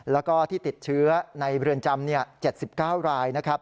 แล้วก็ที่ติดเชื้อในเรือนจำ๗๙รายนะครับ